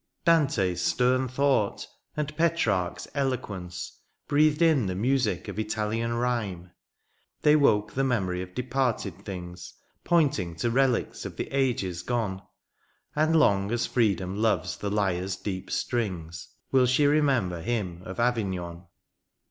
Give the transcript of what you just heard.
Dante^s stem thought, and Petrarch^s eloquence^ Breathed in the music of Italian rhyme ; They woke the memory of departed things^ Pointing to relics of the ages gone^ And long as freedom loves the lyre's deep strings Will she remember him of Avignon.